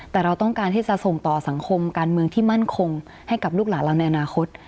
แต่เราต้องการที่จะส่งต่อสังคมการเมืองที่มั่นคงให้กับลูกหลานเราในอนาคต